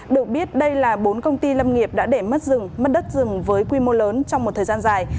được biết đây là bốn công ty lâm nghiệp đã để mất rừng mất đất rừng với quy mô lớn trong một thời gian dài